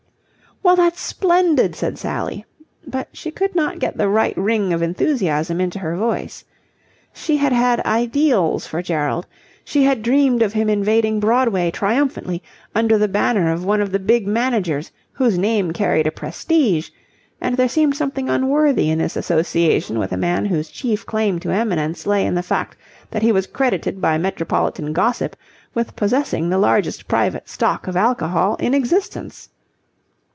"Well, that's splendid," said Sally: but she could not get the right ring of enthusiasm into her voice. She had had ideals for Gerald. She had dreamed of him invading Broadway triumphantly under the banner of one of the big managers whose name carried a prestige, and there seemed something unworthy in this association with a man whose chief claim to eminence lay in the fact that he was credited by metropolitan gossip with possessing the largest private stock of alcohol in existence.